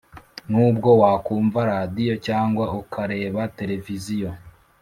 N ubwo wakumva radiyo cyangwa ukareba televiziyo